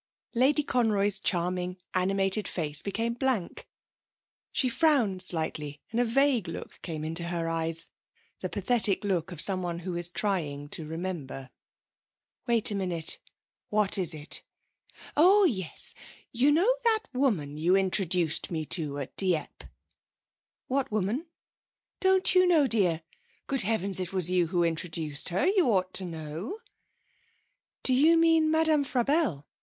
Lady Conroy's charming, animated face became blank. She frowned slightly, and a vague look came into her eyes the pathetic look of someone who is trying to remember. 'Wait a minute what is it? Oh yes. You know that woman you introduced me to at Dieppe?' 'What woman?' 'Don't you know, dear? Good heavens, it was you who introduced her you ought to know.' 'Do you mean Madame Frabelle?'